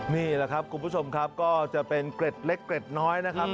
นี่แหละครับคุณผู้ชมครับก็จะเป็นเกร็ดเล็กเกร็ดน้อยนะครับ